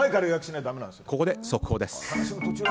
ここで速報です。